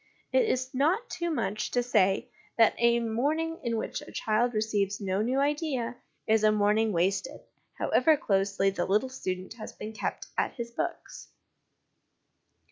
It is not too much to say that a morning in which a child receives no new idea is a morning wasted, however closely the little student has been kept at his books.